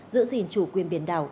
giữ gìn chủ quyền biển đảo